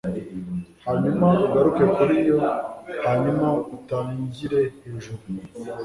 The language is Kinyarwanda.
hanyuma ugaruke kuri yo hanyuma utangire hejuru